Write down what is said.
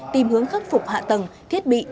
tìm hướng khắc phục hạ tầng thiết bị